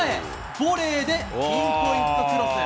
ボレーでピンポイントクロス。